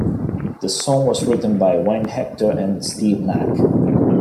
The song was written by Wayne Hector and Steve Mac.